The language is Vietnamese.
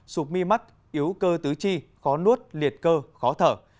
sụp mi mắt yếu cơ tứ chi khó nuốt liệt cơ khó thở